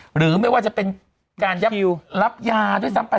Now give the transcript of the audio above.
หรือไม่ว่าจะเป็นการรับยาด้วยซ้ำไป